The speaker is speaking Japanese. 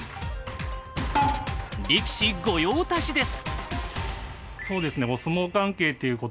力士御用達です。